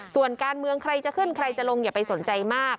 ส่วนการเมืองใครจะขึ้นใครจะลงอย่าไปสนใจมาก